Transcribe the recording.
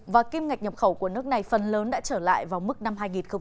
và kim ngạch nhập khẩu của nước này phần lớn đã trở lại vào mức năm hai nghìn hai mươi